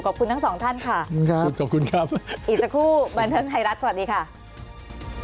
ขอบคุณทั้งสองท่านค่ะอีซ่าคู่บรรเทิงไทยรัฐสวัสดีค่ะขอบคุณครับ